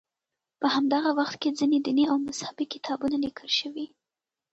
په همدغه وخت کې ځینې دیني او مذهبي کتابونه لیکل شوي.